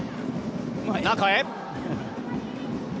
中へ。